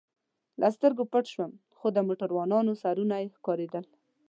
له سترګو پټ شو، خو د موټروانانو سرونه یې ښکارېدل.